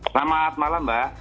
selamat malam mbak